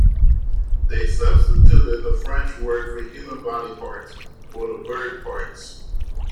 They substituted the French word for human body parts for the bird parts.